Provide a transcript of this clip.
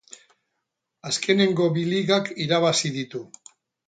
Azkenengo bi ligak irabazi ditu.